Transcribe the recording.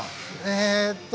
えっと